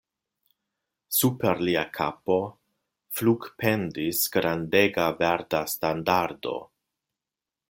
Super lia kapo flugpendis grandega verda standardo!